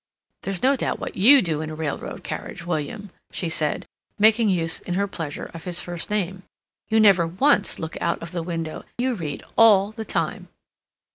"There's no doubt what you do in a railway carriage, William," she said, making use in her pleasure of his first name. "You never once look out of the window; you read all the time."